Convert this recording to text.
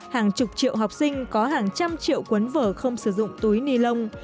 hàng chục triệu học sinh có hàng trăm triệu cuốn vở không sử dụng